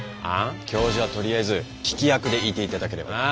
あん？教授はとりあえず聞き役でいていただければ。